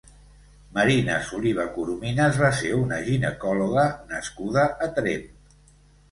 Marina Soliva Corominas va ser una ginecóloga nascuda a Tremp.